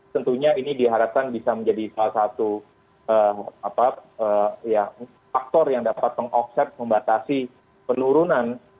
tentunya ini diharapkan bisa menjadi salah satu faktor yang dapat meng offset membatasi penurunan